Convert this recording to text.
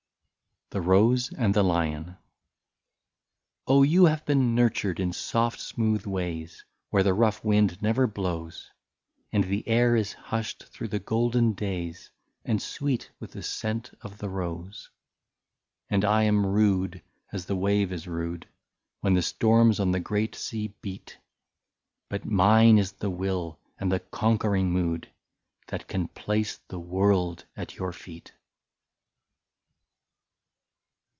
39 THE ROSE AND THE LION. ' Oh ! you have been nurtured in soft smooth ways Where the rough wind never blows, And the air is hushed through the golden days, And sweet with the scent of the rose. " And I am rude, as the wave is rude. When the storms on the great sea beat. But mine is the will, and the conquering mood, That can place the world at your feet."